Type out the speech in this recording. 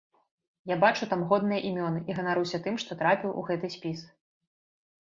Я бачу там годныя імёны і ганаруся тым, што трапіў у гэты спіс.